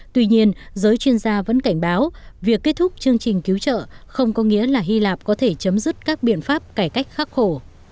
tuy nhiên giới chuyên gia vẫn cảnh báo việc kết thúc chương trình cứu trợ không có nghĩa là hy lạp có thể chấm dứt các biện pháp cải cách khắc khổ